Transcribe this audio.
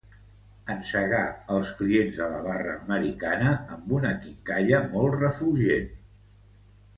Encegar els clients de la barra americana amb una quincalla molt refulgent.